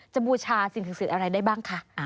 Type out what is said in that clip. บูชาสิ่งศักดิ์สิทธิ์อะไรได้บ้างคะ